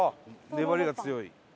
粘りが強い。